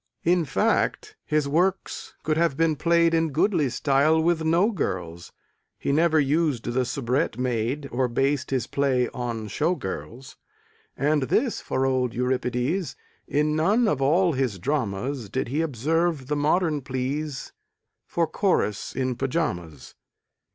In fact, his works could have been played In goodly style with no girls He never used the soubrette maid Or based his play on show girls; And, this for old Euripides: In none of all his dramas Did he observe the modern pleas For chorus in pajamas.